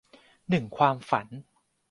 หนึ่งความฝัน